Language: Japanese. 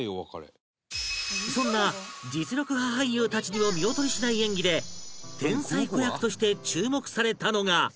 そんな実力派俳優たちにも見劣りしない演技で天才子役として注目されたのが